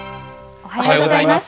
おはようございます。